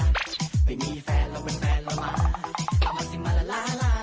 อ้าวไม่เชื่อก็ลองดูสิล่ะ